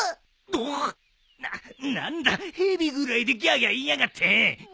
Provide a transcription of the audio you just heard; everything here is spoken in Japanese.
うおっな何だ蛇ぐらいでギャーギャー言いやがって。